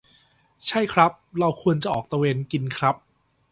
ใช่ครับ เราควรจะออกตระเวนกินครับ